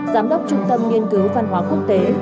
giám đốc trung tâm nghiên cứu văn hóa quốc tế